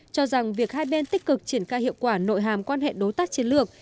cho rằng việc hai bên tích cực triển khai hiệu quả nội hàm quan hệ đối tác chiến lược